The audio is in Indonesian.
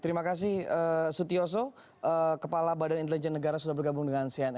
terima kasih sutioso kepala badan intelijen negara sudah bergabung dengan cnn indonesia